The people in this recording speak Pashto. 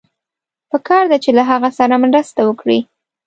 پکار ده چې له هغه سره مرسته وکړئ.